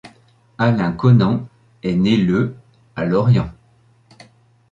Alain Connan est né le à Lorient.